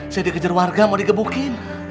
saya dikejar warga mau dikebukin